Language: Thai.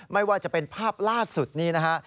ไม่ว่าจะเป็นภาพล่าสุดนี้นะฮะ